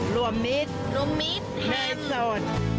รัวมิตแฮมแบสโซน